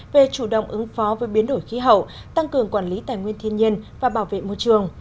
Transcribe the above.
về chủ động ứng phó với biến đổi khí hậu tăng cường quản lý tài nguyên thiên nhiên và bảo vệ môi trường